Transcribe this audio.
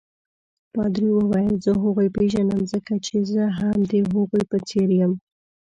پادري وویل: زه هغوی پیژنم ځکه چې زه هم د هغوی په څېر یم.